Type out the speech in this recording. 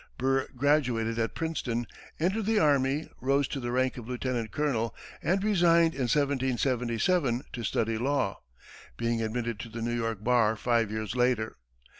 Burr graduated at Princeton, entered the army, rose to the rank of lieutenant colonel, and resigned in 1777 to study law, being admitted to the New York bar five years later.